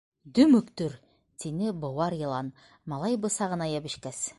— Дөмөктөр! — тине быуар йылан, малай бысағына йәбешкәс.